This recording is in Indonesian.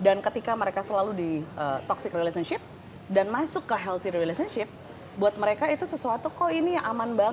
dan ketika mereka selalu di toxic relationship dan masuk ke healthy relationship buat mereka itu sesuatu kok ini aman banget